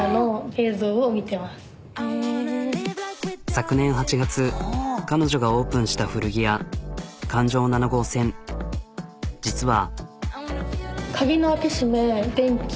昨年８月彼女がオープンした古着屋実は。